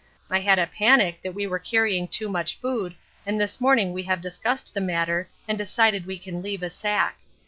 I had a panic that we were carrying too much food and this morning we have discussed the matter and decided we can leave a sack.